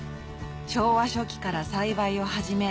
昭和初期から栽培を始め